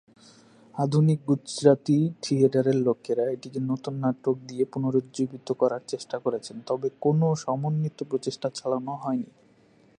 আধুনিক গুজরাটি থিয়েটারের লোকেরা এটিকে নতুন নাটক দিয়ে পুনরুজ্জীবিত করার চেষ্টা করছেন তবে কোনও সমন্বিত প্রচেষ্টা চালানো হয়নি।